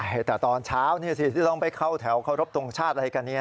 ใช่แต่ตอนเช้าที่ต้องไปเข้าแถวเคารพทงชาติอะไรกันเนี่ย